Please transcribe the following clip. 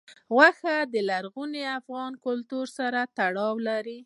غوښې د لرغوني افغان کلتور سره تړاو لري.